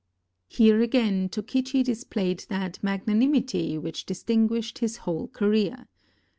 Here again Tokichi displayed that magnanimity which distinguished his whole career.